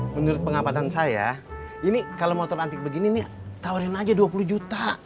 menurut pengamatan saya ini kalau motor antik begini nih tawarin aja dua puluh juta